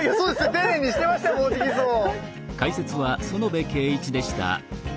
丁寧にしてましたもんオジギソウ。